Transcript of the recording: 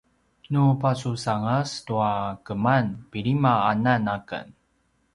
nu pasusangas tua keman pilima anan aken